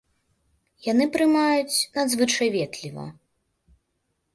Яны прымаюць надзвычай ветліва.